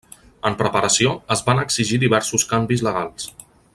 En preparació, es van exigir diversos canvis legals.